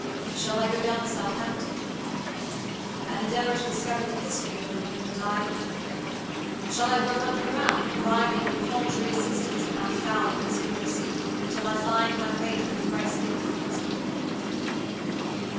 "Shall I go down to Southampton," he thought, "and endeavor to discover the history of the woman who died at Ventnor? Shall I work underground, bribing the paltry assistants in that foul conspiracy, until I find my way to the thrice guilty principal? No!